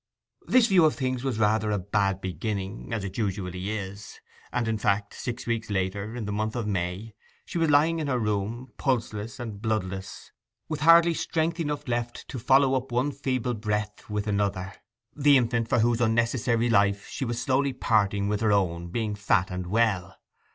This view of things was rather a bad beginning, as it usually is; and, in fact, six weeks later, in the month of May, she was lying in her room, pulseless and bloodless, with hardly strength enough left to follow up one feeble breath with another, the infant for whose unnecessary life she was slowly parting with her own being fat and well.